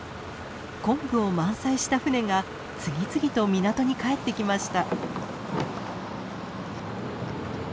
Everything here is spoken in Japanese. コンブを満載した船が次々と港に帰ってきました。